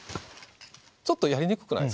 ちょっとやりにくくないですか？